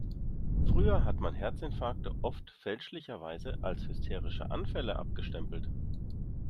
Früher hat man Herzinfarkte oft fälschlicherweise als hysterische Anfälle abgestempelt.